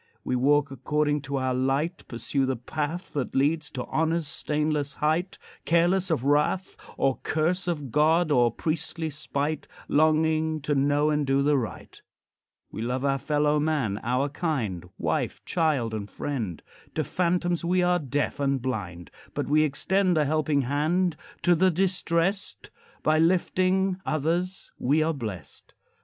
We walk according to our light, Pursue the path That leads to honor's stainless height, Careless of wrath Or curse of God, or priestly spite, Longing to know and do the right. We love our fellow man, our kind, Wife, child, and friend. To phantoms we are deaf and blind, But we extend The helping hand to the distressed; By lifting others we are blessed.